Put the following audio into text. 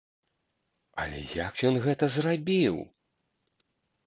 Але як ён гэта зрабіў?